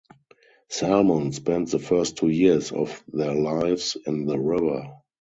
Salmon spend the first two years of their lives in the river.